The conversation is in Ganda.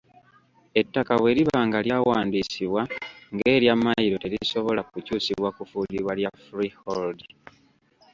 Ettaka bwe liba nga lyawandiisibwa ng’erya Mmayiro, terisobola kukyusibwa kufuulibwa lya freehold.